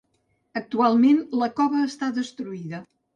Actualment la cova està destruïda.